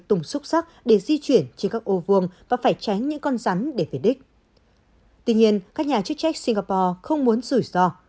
tuy nhiên các nhà chức trách singapore không muốn rủi ro